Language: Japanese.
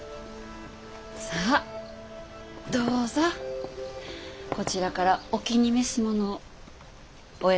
さあどうぞこちらからお気に召すものをお選び下さいませ。